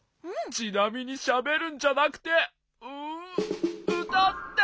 ちなみにしゃべるんじゃなくてうたって！